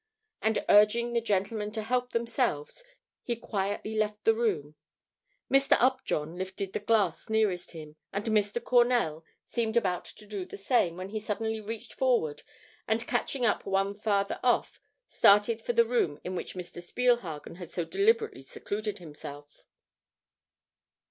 And urging the gentlemen to help themselves, he quietly left the room. Mr. Upjohn lifted the glass nearest him, and Mr. Cornell seemed about to do the same when he suddenly reached forward and catching up one farther off started for the room in which Mr. Spielhagen had so deliberately secluded himself.